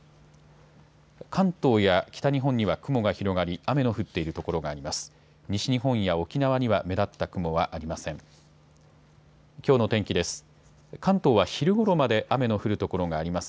関東や北日本には雲が広がり雨の降っている所があります。